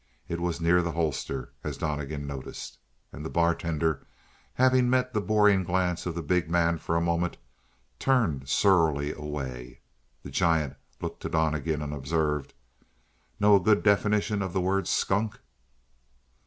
It was near the holster, as Donnegan noticed. And the bartender, having met the boring glance of the big man for a moment, turned surlily away. The giant looked to Donnegan and observed: "Know a good definition of the word, skunk?"